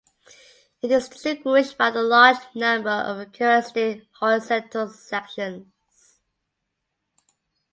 It is distinguished by the large number of characteristic horizontal sections.